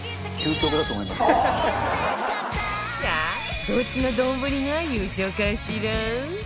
さあどっちの丼が優勝かしら？